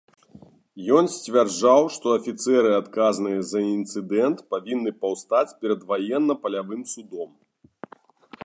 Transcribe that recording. Ён сцвярджаў, што афіцэры, адказныя за інцыдэнт павінны паўстаць перад ваенна-палявым судом.